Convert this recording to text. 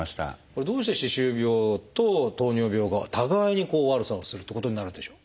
どうして歯周病と糖尿病が互いに悪さをするってことになるんでしょう？